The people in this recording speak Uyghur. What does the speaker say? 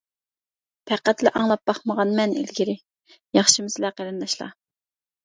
پەقەتلا ئاڭلاپ باقمىغانمەن ئىلگىرى. ياخشىمۇ سىلەر قېرىنداشلار!